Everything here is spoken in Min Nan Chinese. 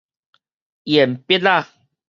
鉛筆仔